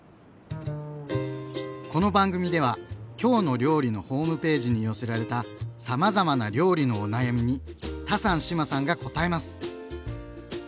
この番組では「きょうの料理」のホームページに寄せられたさまざまな料理のお悩みにタサン志麻さんがこたえます！